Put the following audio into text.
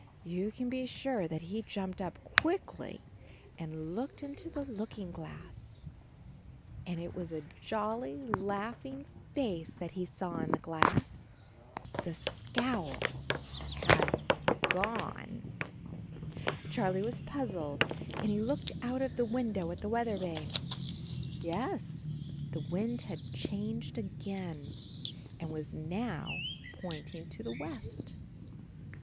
You can be sure that he jumped up quickly and looked into the looking glass. And it was a jolly, laughing face that he saw in the glass — the scowl had gone, Charley was puzzled and he looked out of the window at the weather vane. Yes, the wind had changed again and was now pointing to the west.